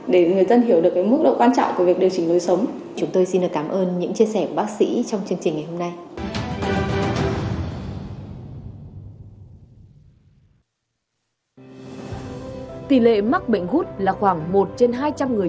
để người dân hiểu được mức độ quan trọng của việc điều trị